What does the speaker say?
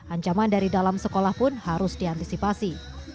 ancaman dari dalam sekolah pun harus diantisipasi